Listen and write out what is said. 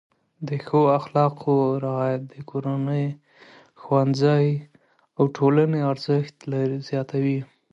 د ښو اخلاقو رعایت د کورنۍ، ښوونځي او ټولنې ارزښت زیاتوي.